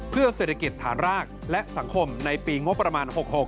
เพื่อเศรษฐกิจฐานรากและสังคมในปีงบประมาณ๖๖